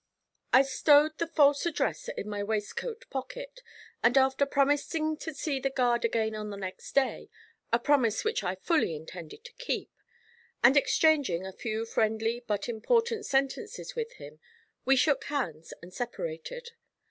I stowed the false address in my waistcoat pocket, and after promising to see the guard again on the next day, a promise which I fully intended to keep, and exchanging a few friendly but important sentences with him, we shook hands and separated.